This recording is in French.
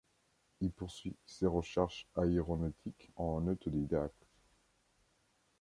Il poursuit ses recherches aéronautiques en autodidacte.